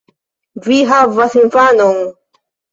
Vi havas infanon!